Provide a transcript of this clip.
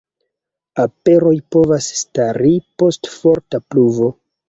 Aperoj povas stari post forta pluvo.